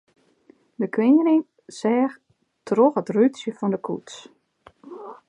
De koaning seach troch it rútsje fan de koets.